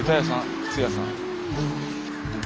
靴屋さん？